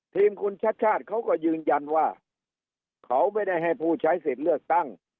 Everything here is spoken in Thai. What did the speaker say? ทีมคุณชัดชาติเขาก็ยืนยันว่าเขาไม่ได้ให้ผู้ใช้สิทธิ์เลือกตั้ง